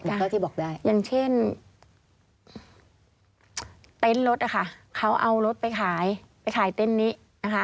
อย่างเช่นเต้นรถค่ะเขาเอารถไปขายไปขายเต้นนี้นะคะ